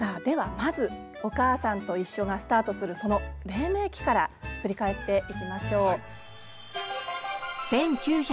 まず「おかあさんといっしょ」がスタートするその黎明期から振り返っていきましょう。